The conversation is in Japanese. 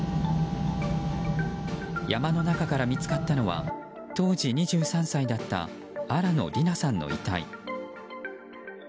山の中から見つかったのは当時２３歳だった新野りなさんの遺体。